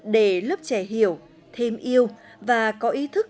để lớp trẻ hiểu thêm yêu và có ý thức